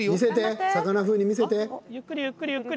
魚風に見せて。